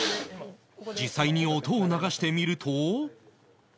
実際に音を流してみると